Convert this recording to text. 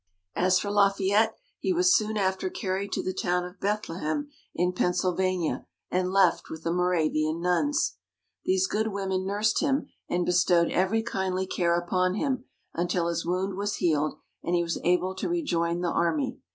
As for Lafayette, he was soon after carried to the town of Bethlehem in Pennsylvania, and left with the Moravian Nuns. These good women nursed him, and bestowed every kindly care upon him, until his wound was healed and he was able to rejoin the Army.